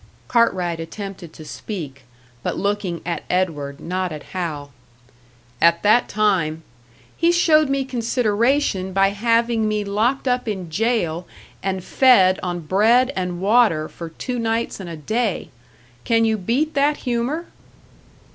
Cartwright attempted to speak but looking at Edward, not at Hal. "At that time " "He showed me consideration by having me locked up in jail and fed on bread and water for two nights and a day! Can you beat that humour?"